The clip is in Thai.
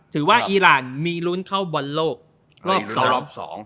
ถือว่าอีรานมีรุนเข้าบนโลกรอบสอง